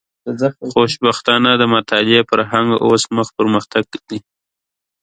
خوشبختانه، د مطالعې فرهنګ اوس مخ پر پرمختګ دی.